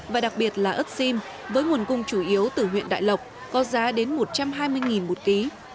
và đặc biệt là ớt xim với nguồn cung chủ yếu từ huyện đại lộc có giá đến một trăm hai mươi một ký